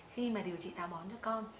khi mà điều trị táo bón cho con